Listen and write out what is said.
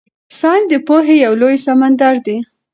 ساینس د پوهې یو لوی سمندر دی.